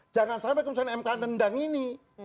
jangan sampai keputusan mk nendang ini